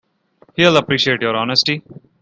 He'll appreciate your honesty.